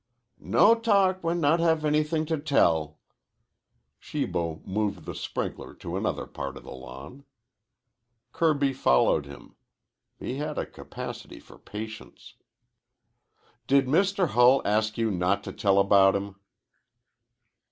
"No talk when not have anything to tell." Shibo moved the sprinkler to another part of the lawn. Kirby followed him. He had a capacity for patience. "Did Mr. Hull ask you not to tell about him?"